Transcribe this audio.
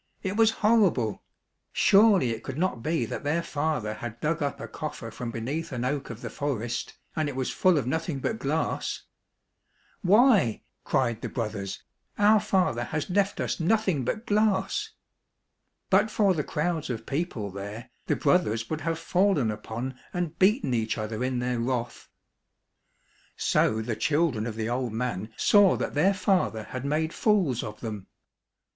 It was horrible ! Surely it could not be that their father had dug up a coffer from beneath an oak of the forest and it was full of nothing but glass !" Why !" cried the brothers, " our father has left us nothing but glass !" But for the crowds of people there, the brothers would have fallen upon and beaten each other in their wrath. So the children of the old man saw that their father had made fools of them.